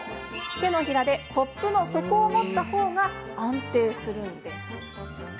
手のひらでコップの底を持ったほうが安定するんです。